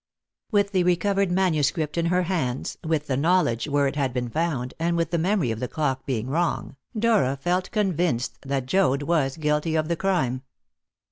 With the recovered manuscript in her hands, with the knowledge where it had been found, and with the memory of the clock being wrong, Dora felt convinced that Joad was guilty of the crime.